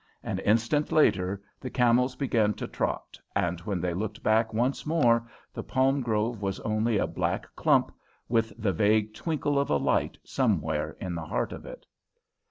An instant later, the camels began to trot, and when they looked back once more the palm grove was only a black clump with the vague twinkle of a light somewhere in the heart of it.